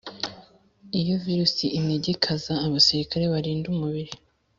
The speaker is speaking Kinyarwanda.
Iyo virusi inegekaza abasirikare barinda umubiri